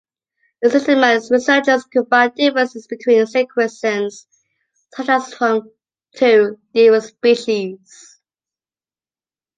In systematics, researchers could find differences between sequences, such as from two different species.